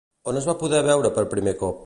On es va poder veure per primer cop?